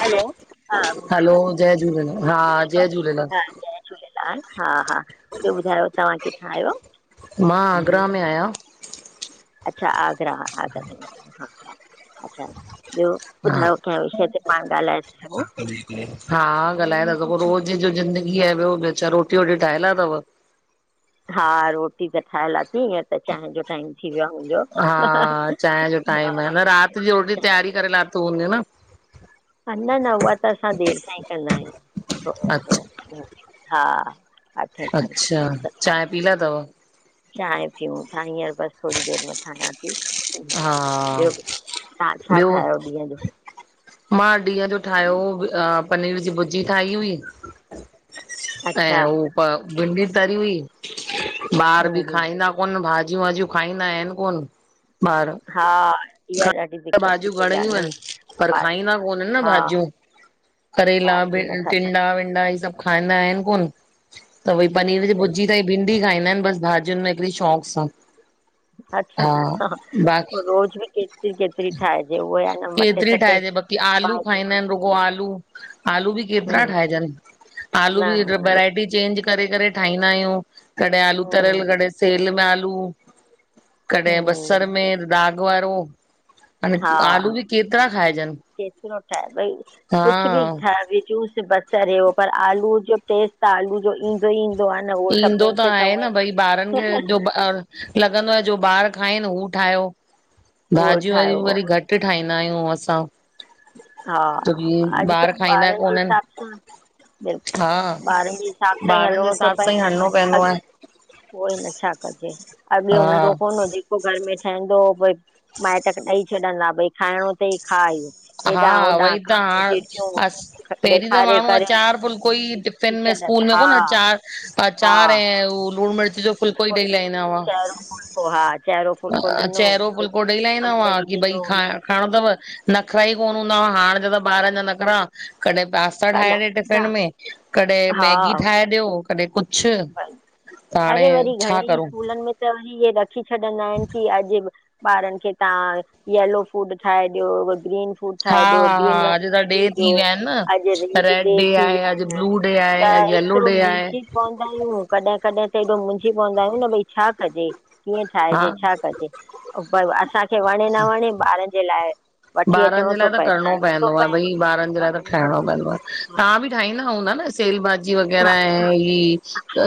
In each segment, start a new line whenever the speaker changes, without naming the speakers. हलो हा
हलो
भूमिका
जय झूलेलाल हा जय झूलेलाल
[unintelligible] जय झूलेलाल हा- हा ॿियो ॿुधायो तव्हां किथां आहियो?
मां आगरा में आहियां।
अच्छा आगरा, आगरा अच्छा ॿियो
हा
ॿुधायो कंहिं विषय ते पाण ॻाल्हिस्
[unintelligible] हा ॻाल्हाए था सघो रोज़ जो ज़िंदगी आ ॿियो रोटी वोटी ठाहिए लाथव?
हा रोटी त ठाहिए लथी हींंअंर त चांहि जो टाइम थी वियो आ।
हा चांहि जो टाइम आ न रात जी रोटी
चांहि
तयारी
जो
करे लाथी हूंदी न?
हा, न-न उहा त असां देरि सां ही कंदा आहियूं
अच्छा
[unintelligible] हा। अठें खनि
अच्छा
सत
चांहि पी लाथव?
चांहि पियऊ था हिंयर बस थोडी देर में ठायां ती। हम्म,
हा
ॿियो ॿुधायो तहां छा
ॿियो
ठाहियो ॾींहं जो?
मां ॾींहं जो ठाहियो हो बि अं पनीर जी भुर्जी ठाही हुई।
अच्छा
ऐं उ भिंडी तरी हुई ॿारि
हूं
बि
हूं
खाईंदा कोन भाॼियूं वाॼियूं खाईंदा आहिनि कोन ॿार।
हा इहा
त
दिक़त थी
भाॼियूं
पई आहे
घणई
न
वन पर
ॿार
खाईंदा कोननि न
हा
भाॼियूं। करेला
ॿार
बि
नथा खाइनि
टिंडा विनॾा हि सभु खाईंदा आहिनि कोन त भई पनीर जी
सही
भुॼी त हे भिंडी खाईंदा आहिनि बसि भाॼियुनि में हिकिॾी शोंक सां।
अच्छा
हा बाक़ी
रोज़ भी केत्
केतिरी
सटे
ठाहिजे बाक़ी आलू
पाए ॾियो
खाईंदा आहिनि रुॻो आलू। आलू बि केतिरा
हूं
ठाहेजनि, आलू
न
बि व वरायटी चेंज करे, करे ठाहींदा आहियूं, कॾहिं आलू
हूं
तरियल, कॾहिं सेल में आलू। कॾहिं बसर
हूं
में दाॻ वारो। हाणे
हा
आलू बि केतिरा खाइजन
केतिरो ठहे भई, कुझ बि
हा।
ठहे भइ जूस त बसर यो, पर आलू जो टेस्ट त आलू जो इ [unintelligible] ईंदो आ।
ईंदो त आहे न भई ॿारनि खे जो [unintelligible] लॻंदो आहे जो ॿार खाइनि हू ठाहियो,
उहो
भाॼियूं वाजु भी
ठाहियो
वरी घटि [unintelligible] घट ठाहींदा आहियूं असां।
हा,
छोकी ॿार
अॼुकल्ह
खाईंदा
ॿारनि जे
कोन्हनि
हिसाब सां बिल्कुल,
हा
ॿारनि जे हिसाब सां ई
ॿारनि जे
हलणो
हिसाब
सब
सां ई
[unintelligible]
हलणो पवंदो आहे
अॻे, उई न छा कजे, अॻे हूंदो
हा
कोन हु जे पोइ घर में ठहंदो हो, भई माइट ॾेई छॾींदा भई खाइणो थई खा इयो।
हा वई त, हाण, अस, पहिरीं त
ॾेखारे
माण्हू
करे
आचार फुलको ई टिफिन
विझी
में
छॾनि
स्कूल में
हा
कोन अचार,
हा
अचार ऐं लूण मिर्च जो फुलको ई
फुल
ॾेई लाईंदावा।
चहिरो फुलिको हा चहिरो फुलिको
अ
ॾिनो
चहिरो फुलको ॾेई लाईंदा हुआ,
अंबड़ी
कि भई
ॾिनो
खा खाईणो थव, नखरा ई कोन हूंदा आ, हाण जेॾा त ॿारनि जा नखरा, कॾह पास [unintelligible] ठाहे ॾे
अनार
टिफिन में, कॾहिं
हा
मैगी ठाहे ॾियो। कॾहिं कुछ,
भई
त हाणे
अरे वरी
छा
घणेई
करूं।
स्कूलनि में त हिये रखी छॾंदा आहिन, कि अॼु ॿारनि खे तां यलो फूड ठाहे ॾियो, ग्रीन फूड ठाए
हा
ॾयो
हा हा
ग्रीन वेजि
अॼु त डे
टेबल जो,
थी विया आहिनि
अॼु
न
रोज़
रेड
ॾे
डे
थी
आहे
विया
अॼु
आहिन
ब्लू डे आहे
त
अॼु येलो
एतरो
डे आहे
मुंजे पवंदा आहियूं, कॾहिं- कॾहिं त हेॾो मुंझी पवंदा आहियूं न भई छा कॼे, कीअं
हा
ठाहिजे, छा कॼे [unintelligible] पर असांखे वणे न वणे, ॿारनि जे लाइ वठी
ॿारनि
अचिणो
जे
थो
लाइ त
पए
करिणो
ठाहिणो थो
पवंदो आह
पए
भई, ॿारनि जे लाइ त
करिणो थो
ठाहिणो पवंदो आह,
पए
ता बि ठाहींदा हूंदा न सेल भाॼी
हा
वग़ैरह ऐं ही,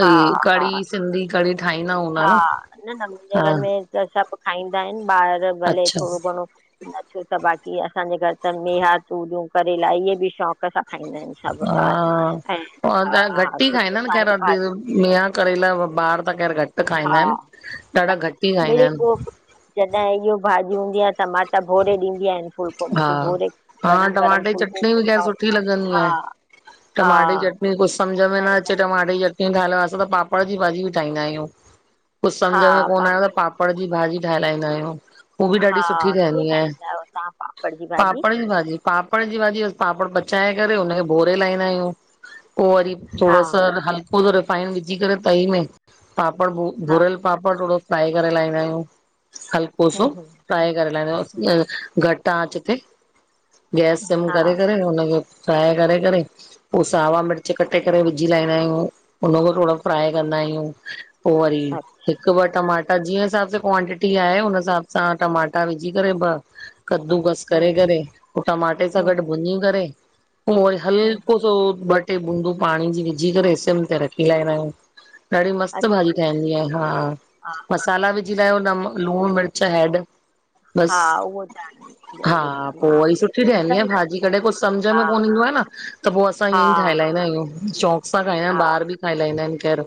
हा हा
क़ॾी। सिंधी कॾी ठाहींदा हूंदा
हा
न,
न न मुंहिंजे
हा।
घर में त सभु खाईंदा आहिनि ॿार, भले
अच्छा
थोरो घणो न छो त बाक़ी असांजे घर त मेहा, तूरियूं, करेला इहे बि शौक़ु शोक सां खाईंदा आहिनि सभु ॿार,
हा
ऐं
और त
हा,
घटि ई
सुठियूं
खाईंदा आहिनि
सायूं
खैर
भाॼियूं।
मेहा, करेला ॿार त खैर घटि खाईंदा
हा
आहिन ॾाढा घटि ई खाईंदा
मिड़ई
आहिन।
पोइ जॾहिं इहो भाॼीयू हूंदी आह, टमाटा भोरे ॾींदी आहिन फुलका
हा, हा टमाटे जी चटणी
उहो
बि खेर
खाओ
सुठी लॻंदी
हा
आहे।
हा
टमाटे जी चटनी, कुझु
उहो
समझ में न
ठाहींदा
अचे टमाटे जी चट [unintelligible] असां त पापड़ जी भाॼी ब ठाहींदा आहियूं, कुझु
हा
समझ में कोन आयो त
पापड़
पाप पड़ जी भाॼी ठाह लाईंदा आहियूं, उ बि
हा
ॾाढी सुठी ठहंदी आहे।
[unintelligible] भाॼी
पापड़ पापड़ जी भाॼी, बस पापड़ पचाए करे हुनखे भोरे लाहींदा आहियूं पो वरी
हा
थोड़ो सो हल्को सो रिफाइंड विझी करे तई में पापड़
हा
भुरियल पापड़ थोड़ो फ्राए करे लाईहंदा आहियूं हलको सो
हूं हूं
फ्राए करे लाइदा, घटि आंच ते गैस सिम
हा
करे करे हुनखे फ्राय करे करे पो सावा मिर्च कटे करे विझी लाईंदा आहियूं, उनखां पो थोड़ो फ्राए कंदा आहियूं पो वरी
अ
हिकु हिकु ॿ टमाटा जीअं हिसाब सां क्वांटिटी आहे, हुनन हिसाब सां टमाटा विझी करे ॿ कद्दूकस
हम्म
करे- करे पो टमाटे सां
हम्म
गॾु भुञी करे पो
हम्म
हलको सो ॿ- टे बूंदियूं पाणी जी विझी करे सिम ते रखी लांईदा आहियूं ॾाढी मस्त भाॼी
अच्छा
ठहन दीअ हा,
हा
मसाला विझी लायो न लूणु मिर्च हैड
हा,
बस
उहो ता आहे
हा पो वरी सुठी ठहंदी आहे भाॼी
चाहींदा
कॾहिं
आहियूं
कुझु सम्झि
हा
में कोन ईंदो आहे न त पो असां ईअंई ठाहे
हा
लाईींदा आहियूं। शौक़ सां खाईदानि,
हा
ॿारि बि खाई लाईंदा आहिनि खेरु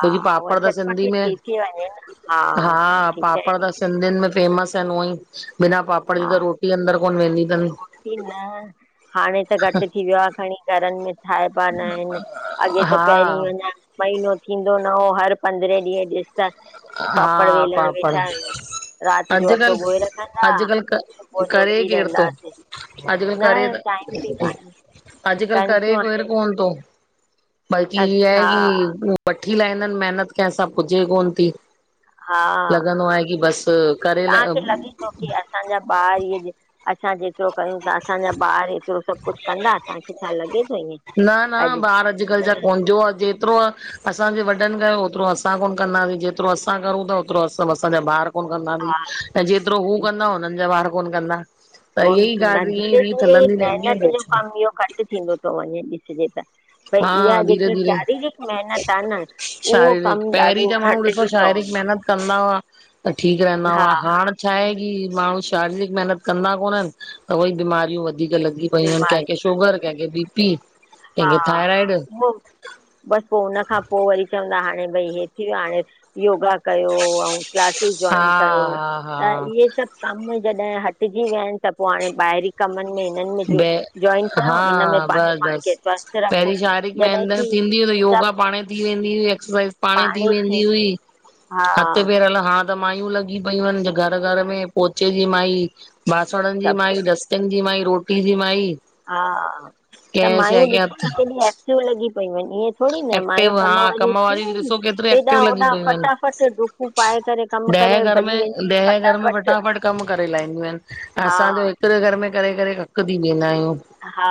छोकी
उहा
पापड़ त सिंधी
चटपटी
में,
थी थी वञे न हा
हा
सुठी
पापड़
चहिरी
त
थी थी
सिंधियुनि में फेमस आहिनि उअई बिना पापड़ जे
हा
त रोटी अंदर कोन्ह वेंदी अथनि।
न, हाणे त खणी घटि थी वियो आ खणी घरनि में ठाहिबा न आहिनि, अॻे त
हा
पहिरीं अञा महीनो थींदो न हो हर पंद्रहें ॾींहं ॾिस त
हा
पापड़ वेलण
पापड़
वेठा आहियूं। राति जो अठो ॻोए
अॼुकल्ह
रखंदा,
अॼुकल्ह क
सुबुह जो
करे
वेही
केर थो
रहदासीं न टाइम बि कान्हे।
अॼकल्ह
कंचू
करेे केर
हाणे
कोन थो बल्क़ी इअं आहे
हा
की वठी लाहींदानि महिनत कंहिंसां पुजे कोन थी।
हा,
लॻंदो आहे की बसि करे ल
तव्हांखे लॻे थो की असांजा ॿार इहे असांजे एतिरो कयूं था असांजा ॿार एतिरो सभु कुझु कंदा तव्हांखे छा लॻे थो ईअं?
न
अॼु
न ॿार अॼुकल्ह
न
जा कोन जो आहे जेतिरो आहे असांजे वॾनि कयो ओतिरो असां कोन कंदासीं, जेतिरो असां करुथा ओतिरो असांजा ॿार कोन कंदा
हा
ऐं जेतिरो हू कंदा हुननि जा ॿार कोन कंदा त इहा
कोन
ई
कन्दा,
ॻाल्हि ईअं ई
धीरे
रीत
धीरे
हलंदी रहंदी आहे
महिनत
ॿियो
जो
छा
कमु इहो घटि थींदो थो वञे ॾिसजे त भई
हा
इहा
धीरे
जेकी
धीरे
शारीरिक महिनत आ न उहो
शारीरिक
कम
पहिरीं
ॾाढो
जा माण्हू
घटि
ॾिसो शारीरिक महिनत कंदा हुआ त ठीकु रहंदा
हा
हुआ हाणे छा आहे की माण्हू शारीरिक महिनत कंदा कोननि त उई बीमारियूं वधीक लॻी पयूं आहिनि कंहिंखे
बीमारियूं थिए
शुगर कंहिंखे बीपी
हा
कंहिंखे थाइराइड
बसि पो हुन खां पो वरी चवंदा हाणे भई हे थी वियो हाणे योगा कयो ऐं क्लासिस
हा
जोइन कयो
हा
त इहे
हा
सभु कम जॾहिं हटजी विया आहिनि त पो हाणे ॿाहिरी कमनि में हिननि में
ब
जो जॉइन कयो
हा
इन में पंहिंजे
बस
पाण खे
बस
स्वस्थ रखो
पहिरीं शारीरक
जॾहिं
मेहनत
की
थींदी हुई
सभु
योगा पाणई थी वेंदी हुई एक्सरसाइज़ पाणई
पाण
थी
ई
वेंदी हुई
थींदो हा
हथ पेर त माइयूं लॻी पयूं आहिनि घर घर में पोचे जी माई बासणनि जी
सभु
माई डस्टिगं जी माई रोटी जी माई
हा, त
कंहिं
मायूं
शइ खे
ॾिसो न
हथ
केॾी एक्टिव लॻी पेयूं आहिनि ईअं थोरी न मायूं
एक्टिव, हा
वारियूं
कम
थियूं
वारी
आहिनि
ॾिसो केतिरियूं एक्टिव
हेॾां
लॻी
होॾां
पयूं
फटाफट डुकूं पाए करे कमु
आहिनि।
करे
ॾह घर में,
भॼी वेंदियूं आहिनि
ॾह घर में फटाफट कमु करे लाहींदियूं आहिनि,
हा
असांजो हिकु हिकडे घर में करे करे ककि थी वेंदा आहियूं।
हा,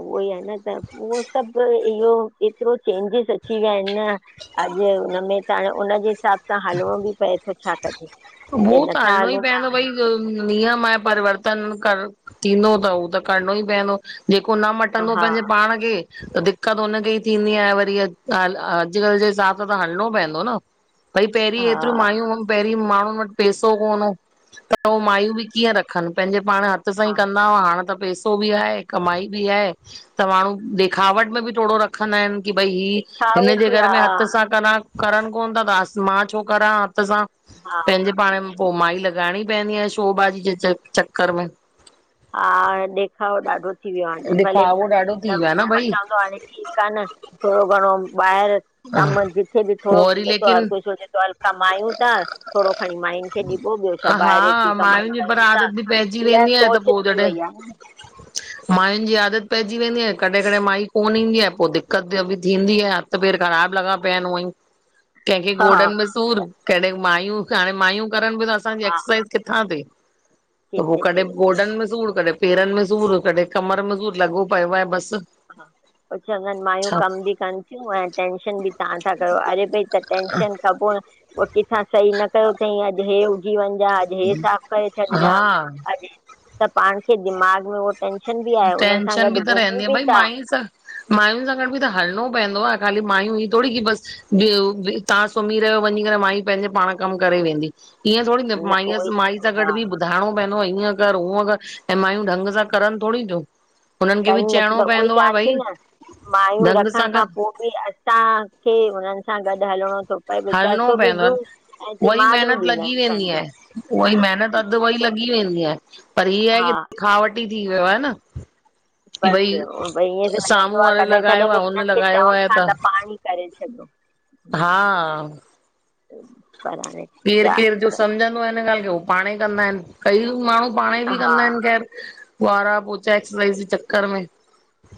उहो ई आ न त उहो सभु इहो एतिरो चेंजिस अची विया आहिनि न, अॼु हुनमें त हाणे उनजे हिसाब सां हलिणो बि पए थो छा कजे,
उहो
जे नथा
हलिणो ई
हलूं था
पवंदो भई
वरी
त नियम आय परिवर्तन कर थींदो त हू त करिणो ई पयदो। ॼेको न
हा
मटंदो
हा
पंहिंजे पाण खे त दिक़त हुनखे ई थींदी आहे वरी अॼुकल्ह जे हिसाब सां त हलणो पयदो न। भई पहिरीं एतिरी मायूं पहिरीं माण्हुनि वटि पैसो कोन हो, त हो मायूं बि कीअं रखनि प पंहिंजे पाण हथु
हा
सांईं कंदा हुआ, हाणे त पैस हो बि आहे, कमाई बि आहे त माण्हू देखावट में बि थोडो रख रखंदा आहिनि की भई ही
ॾेखावो
हिन जे
बि
घर में हथु
आहे
सां करा करनि कोनि ता त असां मां छो करा हथु सां,
हा
पंहिंजे पाण पो माई लॻाइणी पएदी आ शो बाजी जे च चक्कर में।
हा ॾेखावो ॾाढो थी वियो आ न भले
दिखावो ॾाढो थी वियो आहे
पर
न भई
बचंदो हाणे की कानि, थोडो घणो ॿाहिरि कमु जिथे बि
पोइ
थोङो
वरी
मिले तो, हर
लेकिन
कोई सोचे तो हल कमायूं ता। थोङो खणी माइनि खे ॾिबो, ॿियो छा ॿाहिरि ऐतरी कमाई कयूं ता।
पैजी वेंदी आ त पो जॾे
[inaudible]
मायुनि जी आदत पैजी वेंदी आ, कॾहिं कॾहिं माई कोनि ईंदी आ, पो दिक्क़त ॿयो बि थींदी आ। त पैर ख़राब लॻा पिया आहिनि उअं ई, कंहिंखे
हा
गोॾन में
हा
सूर कॾे मायूं हाणे मायूं करनि बि त असांजी एक्सरसाइज़ किथां थिये। त पो
किथे
कॾहिं
थिए
गोॾनि में सूर, कॾहं पेरनि में सूर, कढे कमर में सूर लॻो पियो आहे बसि।
हा, पो चवंदा आहिनि मायूं
छा
कमु बि कनि तियूं, ऐं टेंशन बि ताहां ता कयो, अरे भाई त टेंशन कबो, पो किथां सही न कयो तई अॼु हे हुघी वञ। अॼु हे साफ़ करे छॾजां
हा
अॼु, त पाण खे दिमाग में हो टेंशन बि आहे, हुननि सां गॾु घुमूं बि था
मायूं सां, मायुनि सां गॾु बि त हलणो पवंदो आ। खाली मायूं ही थोङी की बसि ॿयो तां सुम्ही रहियो वञी करे, माई पंहिंजे पाण कमु करे वेंदी। ईय थोडी न,
उहो
माईसि
ई
माई सां गॾु
हा
बि ॿुधाएणो पैंदो हिअं कर हूअ कर, ऐं मायूं ढंग सां करनि थोडी तियूं।
कनि न थीयूं न उवोई चवां ती न, मायूं
ढंग
रखण
सां
खां
कर
पो बि असां खे हुननि सां गॾु हलणो
हलणो पैंदो आ, वई
दिमाग़ बि
महिनत
ॾींदा
लॻी
आहियूं
वेंदी
पंहिंजो
आहे, उवाई महिनत और त वई लॻी वेंदी आहे, पर ही आहे की
हा
दिखावटी थी वियो आ न। की भई
बसि, भई ईअं जो लॻंदो
साम्हूं
आ
वारे
कॾहिं-कॾहिं
लॻायो
भई
आहे हुन
हिननि खे
लॻायो
चवं
आहे
ता त पाणेई करे छॾो।
हा
पर हाणे
केर
चा
केर जो समझंदो आ हिन ॻाल्हि खे, हू पाण ई कंदा आहिनि, कई माण्हू पाणई बि
हा
कंदा आहिनि खेर बुआरा, पोचा एक्सरसाइज़ जे चक्क्रर में।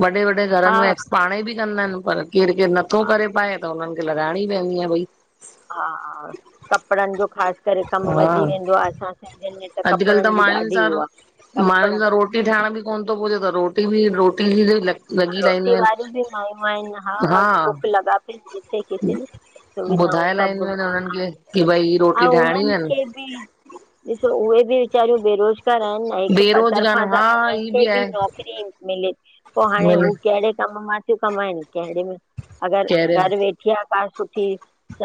वॾे-वॾे
हा
घरनि में एक्स पाणेई बि कंदा आहिनि, पर केरु-केरु नथो करे पाए त हुननि खे लॻाणी पवंदी आ भई।
हा कपिड़नि जो ख़ासि करे कम
हा
वधी वेंदो आ, असां सिंधियुनि में।
अॼुकल्ह त
कपिड़नि जी
मायूुनि
ॾाढी
सां,
उहो आहे
मायूुनि
कपिड़ा
सां रोट रोटी ठाहिण ॿि कौन थो पुॼे, त रोटी बि रोटी ॼी
रोटी वारीूं बि माइयू आहिन, हा कुक लॻा पया आहिन जिते किथे। सुविधाऊं
ॿुधाए
सभु
लाहींदियूं हुननि खे
आहिनि,
की भई ही रोटी
ऐंऊ
ठाहिणियूं
उन्हनि
आहिनि
खे बि ॾिसो उहे बि वीचारियूं बेरोज़ करनि हिकु
बेरोज़गार
तरफ़ा त
हा
उन्हनि
ई
खे बि
आहे
नौकरी मिले। पो हाणे
भले
हू कहिड़े कम मां थियूं कमाइनि कहिड़े में अॻरि
कहिड़े
घर वेठे। सुठिया का सुठी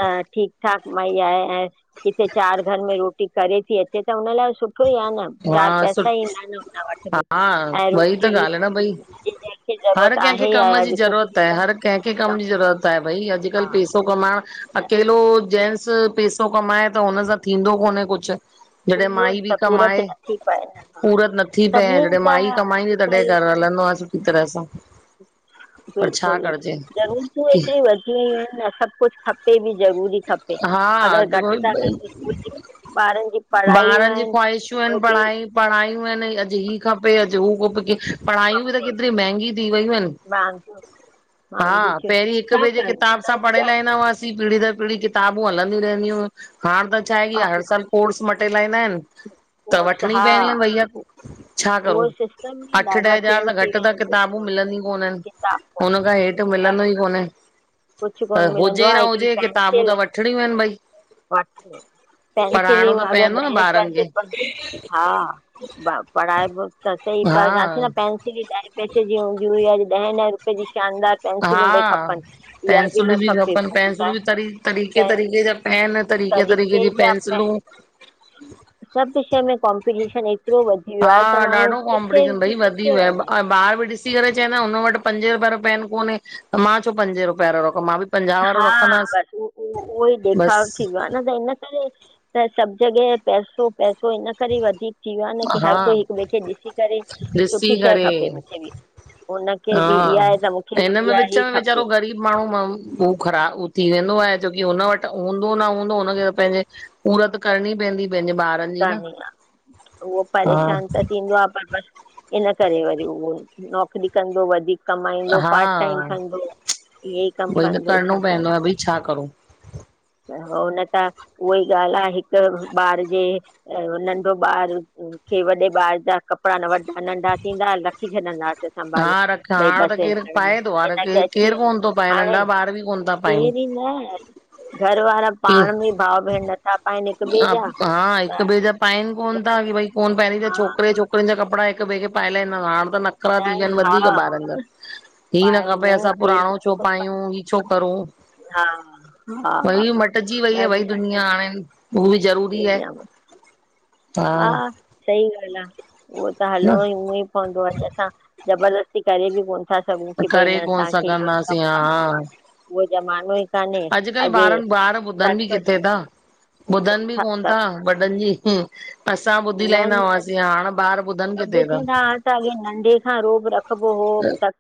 अ ठीकु ठाक मई आहे ऐं किथे चारि घर में रोटी करे थी अचे त हुन लाइ सुठो ई आ न। चारि
हा, सुठ,
पैसा ईंदा आहिनि हुन वटि बि
हा
ऐं
ऊई त
रोटी
ॻाल्हि न भई।
जी जंहिंखे
हर
ज़रूरत
कंहिंखे
आहे ई आहे
कम जी
अॼु
ज़रूरत
छोकिरी
आहे,
त
हर कंहिंखे कम जी
में थी
ज़रूरत आहे भई,
हा
अॼुकल्ह पैसा पैसो कमाइण,
त
अकेलो जेंट्स पैसो, कमाए त हुन सां थींदो कोन्हे कुछ। जॾहिं
पूरो
माई बि
त पूरत
कमाए,
नथी पए न। हा
पूरत नथी पए,
सभिनीनि
जॾहिं
जा
माई कमाईंदी तडह
अॼुकल्ह
घर ह हलंदो आ सुठी तरह सां। पर छा
बिल्कुलु,
करिजे
ज़रूरतूं
की
इते वधी वयूं आहिन, सभु कुछु खप ते बि ज़रूरी खपे,
हा
अगरि घटि
जेको
था कयू स्कूल जी ॿारनि जी पढ़ायूं
ॿारनि जी
आहिनि
ख़्वाहिशूं आहिनि,
उहे बि
पढ़ाई पढ़ायूं आहिनि, अॼु हि खपे, अॼु हू खपे कि पढ़ाइूं बि त
खपे
केतिरी महांगी थी वयूं आहिनि।
[unintelligible]
हा,
महांगियूं थियूं
पहिरीं हिकु
छा
ॿिए जे
कनि
किताब सां
उन्हनि
पढ़िय
जा
ल ईंदा हुआसीं पीढ़ी दर पीढ़ी किताबूं हलंदी रहंदी हु हाण त छाहे की
हा,
हर साल। कोर्स मटेलााईंदा आहिन त
कोर्स
वठणी
हा
पवंदी भैया। छा करूं
उहो सिस्टम ई
अठ ॾह
ॾाढा
हज़ार
चेंज
खां
थी
घट
विया
त
आहिनि
किताबूं
बिल्कुलु
मिलंदी कोनीन इन
किताब
हुनखां हेठ। त मिलंदो ई कोने।
कुझ कोन मिलंदो आ हिकड़ी
किताबूं
पेंसिल।
त वठणियूं आहिनि भई
वठ पेंसिलिई
पढ़ाइणो त
वगर
पवंदो
ॾह
न
रुपए जी
ॿारनि
अचे
खे
थो हा, पढ़ाए त इते ई पर छा थी न
हा
पेंसिल [unintelligible] अी ॾहें पैसे जी हूंदी हुई, अॼ ॾह ॾह रुपये जी शानदार
हा
पेंसिलूं भई खपन।
पेंसिलूं बि खपनि पेंसिलूं बि तरी तरीक़े,
पेन
तरीक़े जा पेन, तरीक़े, तरीक़े जी पेंसिलूं।
सभ वषय में कॉमपिटीशन एतरो वध।
हा ॾाढो कॉम्पिटीशन भई वधी वयो
वञे
आ ॿार बि डीस। ॾिसी करे चऐ न हुन वटि पंजे रुपए वारो पेन कोनिहे, त मां छो पंजे रुपए वारो रखा मां बि पंजाह वारो
हा,
रखंदासि
बसि उह ऊहो ऊहोई ॾेखाव
बसि
थी वियो आन त इन इन करे त सभ जॻह पैसो पैसो इन करे वधीक थी व्यो आ न की
हा
हर कोई हिक बै खे ॾिसी करे
ॾिसी
सुठी शै
करे
खपे मूंखे बि। हुनखे बि
हा,
इहा आहे त मूंखे बि
हिनमे
इहा
विच
ई
में
खपे
वेचारो ग़रीब माण्हू माण्हू। हू ख़राब थी वेंदो आ छोकी हुन वट हूंदो न हूंदो हुनखे त पेंजे। पूरत करणी पेंदी पेंजे ॿार।
करणी आ उहो परेशान त। थींदो आ पर बस इन करे वरी उहो नौकिरी कंदो वधीक। कमाईंदो
हा
पार्ट टाइम कंदो। इह ई कम
उहोई त
कंदो
करिणो
छा करे।
पवंदो आहे भई छा करूं
हो न त उहा ई ॻाल आ हिक ॿार जे। अ, नंढो ॿार। के वॾे ॿार ॼा कपड़ा न वॾा नंढा थींदा रखी छॾींदास। संभाले
हा रख
भई बस
त केरु
हाणे
पाए थो हाणे
हिनखे
केरु केरु
अची वञ
कोन थो पाए नंढा
हाणे।
ॿार बि कोन था पाइनि।
केर ई न। घर वारा पाण में भाव भेण नथा पाइन हिक ॿे ॼा।
हा हिक ॿैए जा पाइन कोन ता की भई कोन पैंरीं त
हा
छोकरे छोकरिन ॼा कपड़ा हिक ॿेए खे पाए लाईंदा हाण त नथ थी वयान
न
वधीक
हा
ॿारन ॼा हि न
ॿाहिरि
खपे असां
केरु
पुराणो
कोन
छो
थो पाए
पायूं ही छो करूं।
हा हा हा
वई मटजी वई आ
ॾाढी ॾाढी
दुनिया हाणे। उ ॿि ज़रूरी आये।
दुनिया में हा सई ॻाल आ उहो त हलणो
न
ई उअ ई पवंदो ॼेसा। ज़बरदस्ती करे ॿि कोन ता सघूं की भई
करे
न
कोन
तांखे इयो ई
सघंदासीं
कम करणो आ।
हा
उहो ज़मानो ई काने
अॼुकल्ह
अॻे तक
ॿुधन ॿि कोन ता वॾन ॼी ही। असां ॿुधी
न
लाईदा
न
हुआसीं हाणे ॿार ॿुधन किते ता।
मथा रोब रखबो हो त